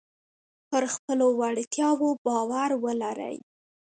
پر خپلو وړتیاو باور ولرئ.